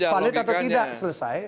palit atau tidak selesai